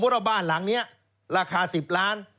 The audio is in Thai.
สมมุติว่าบ้านหลังนี้ราคาสิบล้าน